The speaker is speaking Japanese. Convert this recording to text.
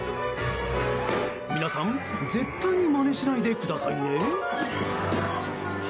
皆さん、絶対にまねしないでくださいね。